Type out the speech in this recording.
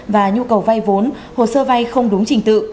và nhu cầu vay vốn hồ sơ vay không đúng trình tự